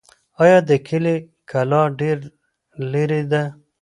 آیا د کلي کلا ډېر لرې ده؟